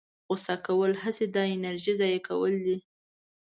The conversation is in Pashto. غوسه کول هسې د انرژۍ ضایع کول دي.